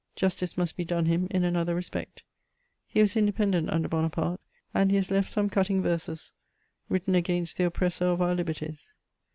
Justice must be done him in another respect ; he was independent under Bonaparte, and he has left some cutting verses written against the oppressor of our liberties.